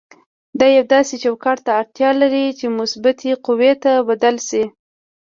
دا یو داسې چوکاټ ته اړتیا لري چې مثبتې قوې ته بدل شي.